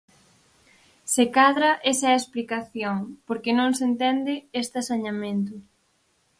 Se cadra esa é a explicación, porque non se entende este asañamento.